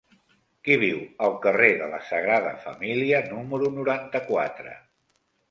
Qui viu al carrer de la Sagrada Família número noranta-quatre?